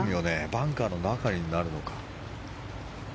バンカーの中になるのか。